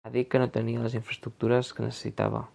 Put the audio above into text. Ha dit que no tenia les infraestructures que necessitava.